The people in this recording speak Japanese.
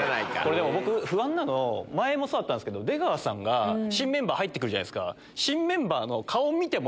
僕不安なの前もそうだったんですけど出川さんが新メンバー入って来るじゃないですか。